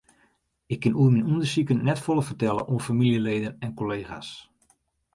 Ik kin oer myn ûndersiken net folle fertelle oan famyljeleden en kollega's.